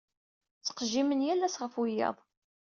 Ttqejjimen yal ass ɣef wiyaḍ.